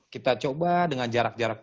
kita coba dengan jarak jarak